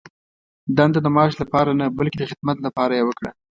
دنده د معاش لپاره نه، بلکې د خدمت لپاره یې وکړه.